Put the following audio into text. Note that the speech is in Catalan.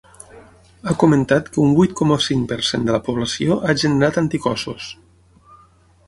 Ha comentat que un vuit coma cinc per cent de la població ha generat anticossos.